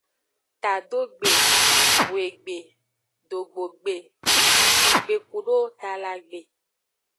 Tadogbe, hwegbe, dogbogbe, shikpigbe kudo talagbe.